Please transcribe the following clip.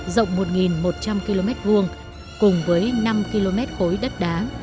rộng một một trăm linh km hai cùng với năm km khối đất đá